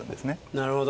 なるほど。